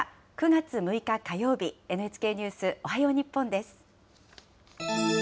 ９月６日火曜日、ＮＨＫニュースおはよう日本です。